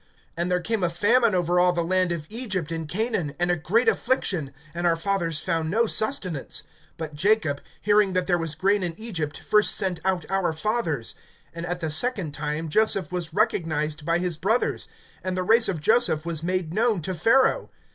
(11)And there came a famine over all the land of Egypt and Canaan, and a great affliction; and our fathers found no sustenance. (12)But Jacob, hearing that there was grain in Egypt, first sent out our fathers. (13)And at the second time, Joseph was recognized by his brothers; and the race of Joseph was made known to Pharaoh.